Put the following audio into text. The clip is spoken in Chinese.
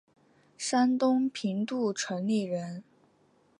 山东平度城里人。